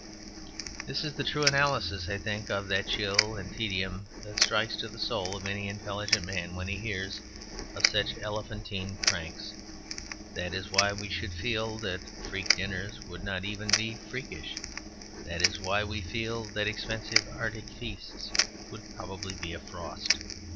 This is the true analysis, I think of that chill of tedium that strikes to the soul of any intelligent man when he hears of such elephantine pranks. That is why we feel that Freak Dinners would not even be freakish. That is why we feel that expensive Arctic feasts would probably be a frost.